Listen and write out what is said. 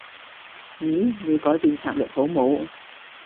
咦？你改變策略好冇？